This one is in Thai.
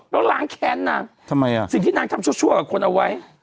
แล้วล้างแค้นนางทำไมอ่ะสิ่งที่นางทำชั่วกับคนเอาไว้